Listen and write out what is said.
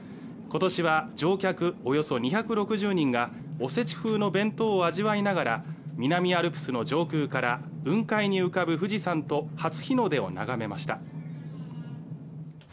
今年は乗客およそ２６０人がお節風の弁当を味わいながら南アルプスの上空から雲海に浮かぶ富士山と初日の出を眺めました。